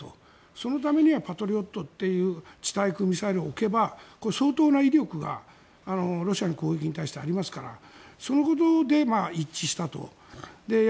そのためにはパトリオットという地対空ミサイルを置けば相当な威力がロシアの攻撃に対してありますからそのことで一致したと。